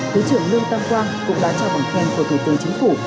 thứ trưởng lương tam quang cũng đã trao bằng khen của thủ tướng chính phủ